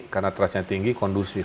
karena trustnya tinggi kondusif